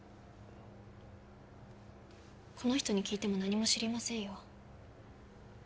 この人に聞いても何も知りませんよ